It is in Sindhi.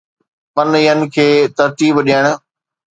پن ين کي ترتيب ڏيڻ